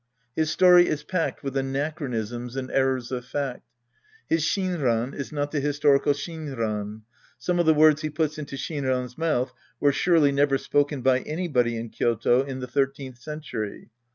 His story is packed with an achronisms and errors of fact. His Shinran is not the historical Shinran ; some of the words he.puts into Siiinran's mouth were surely never spoken by any body in Kyoto in the thirteenth century.